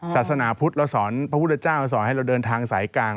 ศาสนาพุทธเราสอนพระพุทธเจ้าสอนให้เราเดินทางสายกลาง